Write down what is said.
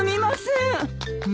ん？